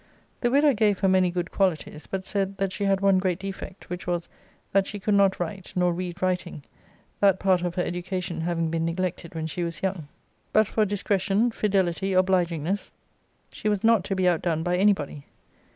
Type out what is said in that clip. The widow gave her many good qualities; but said, that she had one great defect; which was, that she could not write, nor read writing; that part of her education having been neglected when she was young; but for discretion, fidelity, obligingness, she was not to be out done by any body.